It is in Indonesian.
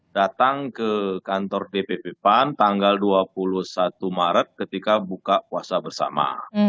datang ke kantor dpp pan tanggal dua puluh satu maret ketika buka puasa bersama